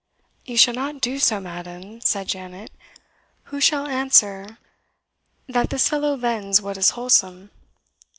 "You shall not do so, madam," said Janet; "who shall answer that this fellow vends what is wholesome?"